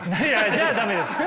じゃあダメです。